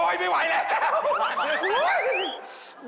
โอ๊ยไม่ไหวแล้ว